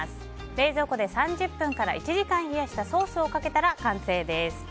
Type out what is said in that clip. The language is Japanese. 冷蔵庫で３０分から１時間冷やしたソースをかけたら完成です。